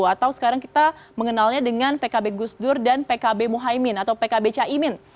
atau sekarang kita mengenalnya dengan pkb gusdur dan pkb muhaymin atau pkb caimin